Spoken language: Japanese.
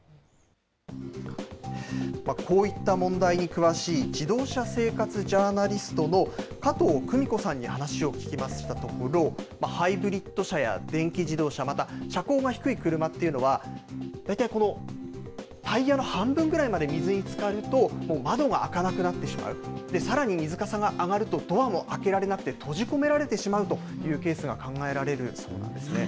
こういった問題に詳しい、自動車生活ジャーナリストの加藤久美子さんに話を聞きましたところ、ハイブリッド車や電気自動車、また車高が低い車っていうのは、大体このタイヤの半分ぐらいまで水につかると、もう窓が開かなくなってしまう、さらに水かさが上がるとドアも開けられなくて、閉じ込められてしまうというケースが考えられるそうなんですね。